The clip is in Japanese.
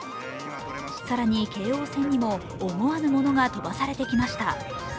更に京王線にも思わぬものが飛ばされてきました。